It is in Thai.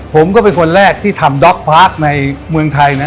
ผมก็เป็นคนแรกที่ทำในเมืองไทยน่ะ